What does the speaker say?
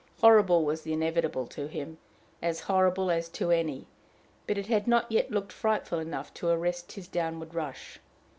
Horrible was the inevitable to him, as horrible as to any; but it had not yet looked frightful enough to arrest his downward rush.